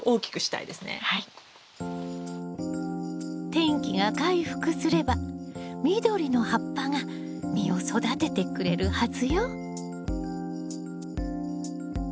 天気が回復すれば緑の葉っぱが実を育ててくれるはずよ。